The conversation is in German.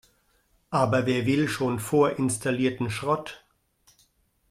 Aber wer will schon vorinstallierten Schrott?